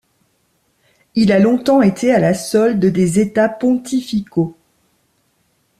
Il a longtemps été à la solde des États pontificaux.